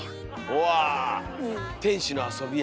うわ天使の遊びや。